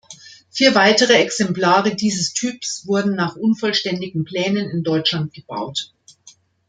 Vier weitere Exemplare dieses Typs wurden nach unvollständigen Plänen in Deutschland gebaut.